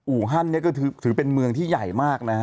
อูหันที่ถือเป็นเมืองที่ใหญ่มาก